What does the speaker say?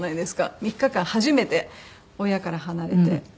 ３日間初めて親から離れて。